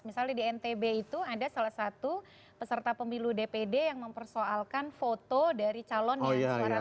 misalnya di ntb itu ada salah satu peserta pemilu dpd yang mempersoalkan foto dari calon yang suaranya